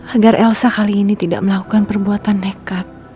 agar elsa kali ini tidak melakukan perbuatan nekat